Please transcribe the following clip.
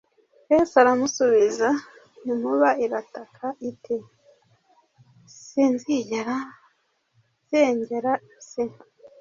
Yesu aramusubiza, inkuba irataka iti:" Sinzigera nsengera isi.